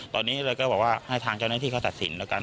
ตอนนี้เราก็บอกว่าให้ทางเจ้าหน้าที่เขาตัดสินแล้วกัน